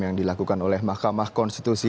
yang dilakukan oleh mahkamah konstitusi